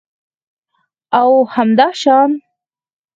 او همداشان